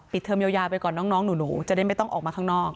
เทอมยาวไปก่อนน้องหนูจะได้ไม่ต้องออกมาข้างนอก